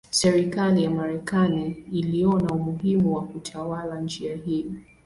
Serikali ya Marekani iliona umuhimu wa kutawala njia hii.